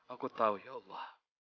aku tahu ya allah